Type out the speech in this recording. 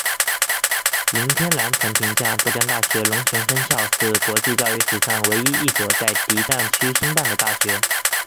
林天兰曾评价浙江大学龙泉分校是国际教育史上唯一一所在敌战区兴办的大学。